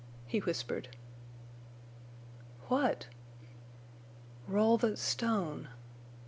he whispered. "What?" "Roll the—stone!...